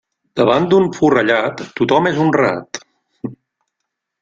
Davant d'un forrellat, tothom és honrat.